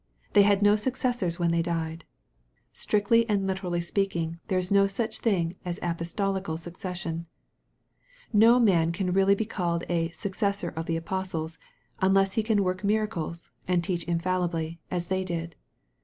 They had no successors when they died. Strictly and literally speak ing, there is no such thing as apostolical succession. No man can be really called a " successor of the apostles," unless he can work miracles, and teach infallibly, as they did.